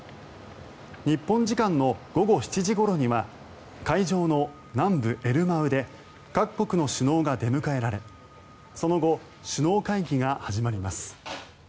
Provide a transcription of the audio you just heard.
日本時間の午後７時ごろには会場の南部エルマウで各国の首脳が出迎えられその後、首脳会議が始まります。